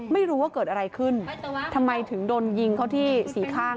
ไม่รู้ว่าเกิดอะไรขึ้นทำไมถึงโดนยิงเขาที่สี่ข้าง